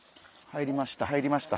入りましたよ。